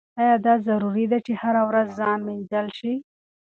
ایا دا ضروري ده چې هره ورځ ځان مینځل شي؟